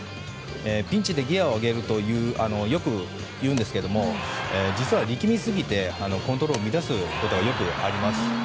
ピンチでギアを上げるとよくいうんですけど実は力みすぎてコントロールを乱すことがよくあります。